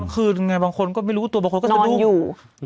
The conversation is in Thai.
คือบางคนก็ไม่รู้ตัวบางคนก็จะดู